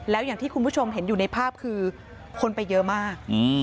แล้วอย่างที่คุณผู้ชมเห็นอยู่ในภาพคือคนไปเยอะมาก